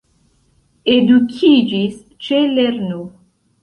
Edukiĝis ĉe lernu!